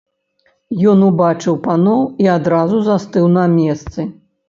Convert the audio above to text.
Ён убачыў паноў і адразу застыў на месцы.